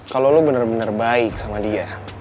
kalau lo bener bener baik sama dia